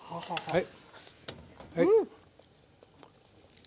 はい。